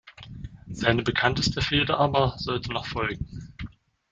Seine bekannteste Fehde aber sollte noch folgen.